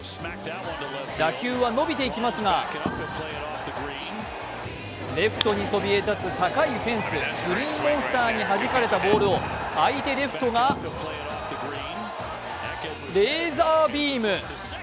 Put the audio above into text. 打球は伸びていきますがレフトにそびえ立つ高いフェンス、グリーンモンスターにはじかれたボールを相手レフトがレーザービーム。